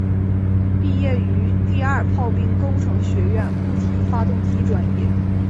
毕业于第二炮兵工程学院固体发动机专业。